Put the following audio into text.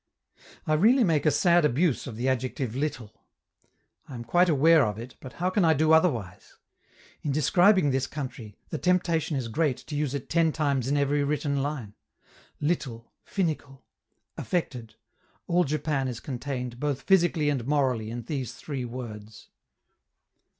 I really make a sad abuse of the adjective little; I am quite aware of it, but how can I do otherwise? In describing this country, the temptation is great to use it ten times in every written line. Little, finical; affected, all Japan is contained, both physically and morally, in these three words.